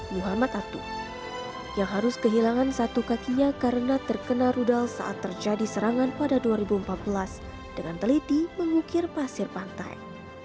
muhammad abdul yang harus kehilangan satu kakinya karena terkena rudal saat terjadi serangan pada dua ribu empat belas dengan teliti mengukir pasir pantai